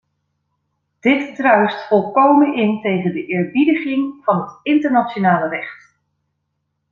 Dit druist volkomen in tegen de eerbiediging van het internationale recht.